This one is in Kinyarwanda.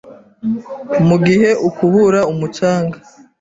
Mu gihe ukubura umucanga